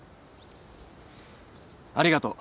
ありがとう。